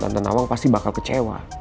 tante nawang pasti bakal kecewa